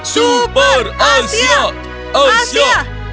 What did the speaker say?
super asia asia